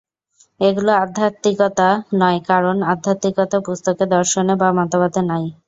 এগুলি আধ্যাত্মিকতা নয়, কারণ আধ্যাত্মিকতা পুস্তকে দর্শনে বা মতবাদে নাই।